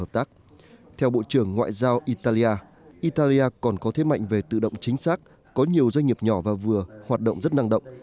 theo bộ trưởng ngoại giao italia italia còn có thế mạnh về tự động chính xác có nhiều doanh nghiệp nhỏ và vừa hoạt động rất năng động